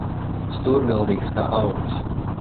Stūrgalvīgs kā auns.